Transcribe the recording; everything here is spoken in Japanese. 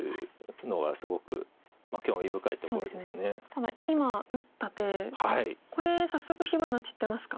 ただ今打った手これ早速火花散ってますか？